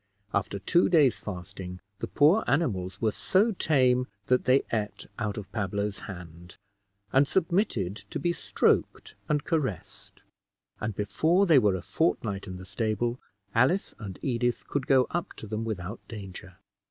After two days' fasting, the poor animals were so tame that they ate out of Pablo's hand, and submitted to be stroked and caressed; and before they were a fortnight in the stable, Alice and Edith could go up to them without danger.